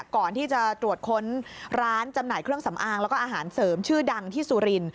ก่อนที่จะตรวจค้นร้านจำหน่ายเครื่องสำอางแล้วก็อาหารเสริมชื่อดังที่สุริน